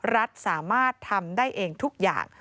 รัฐสามารถทำได้เองทุกอย่าง